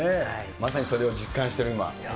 まさにそれを実感してる今。